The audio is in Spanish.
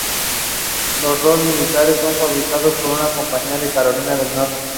Los "rolls" militares son fabricados por una compañía de Carolina del Norte.